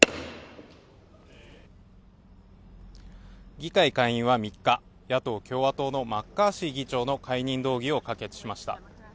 議会下院は３日野党・共和党のマッカーシー議長の解任動議を可決しました